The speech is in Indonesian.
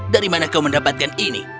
dari mana kau mendapatkan ini